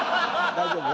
大丈夫？